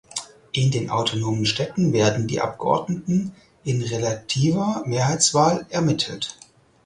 In den autonomen Städten werden die Abgeordneten in relativer Mehrheitswahl ermittelt.